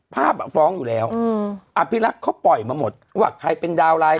ภาพอ่ะฟ้องอยู่แล้วอภิรักษ์เขาปล่อยมาหมดว่าใครเป็นดาวร้าย